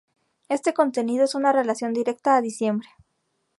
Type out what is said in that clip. Este contenido es una relación directa a Diciembre.